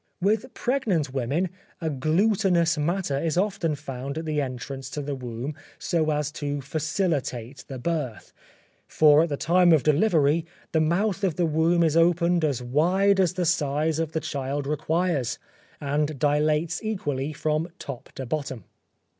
With pregnant women, a glutinous matter is often found at the entrance to the womb so as to facilitate the birth; for at the time of delivery, the mouth of the womb is opened as wide as the size of the child requires, and dilates equally from top to bottom.